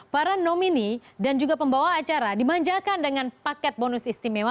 para nomini dan juga pembawa acara dimanjakan dengan paket bonus istimewa